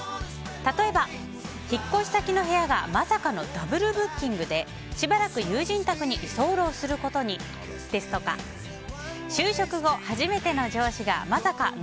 例えば、引っ越し先の部屋がまさかのダブルブッキングでしばらく友人宅に居候することにですとかこのシャツくさいよ。